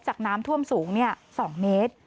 น้ำท่วมสูง๒เมตร